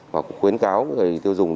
và cũng khuyến cáo người tiêu dùng